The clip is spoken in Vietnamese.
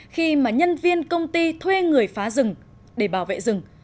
khi mà nhân viên công ty thuê người phá rừng để bảo vệ rừng